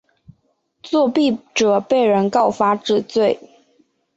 作弊者被人告发治罪。